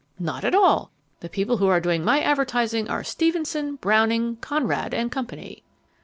"Not at all. The people who are doing my advertising are Stevenson, Browning, Conrad and Company."